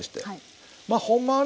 まあほんまはね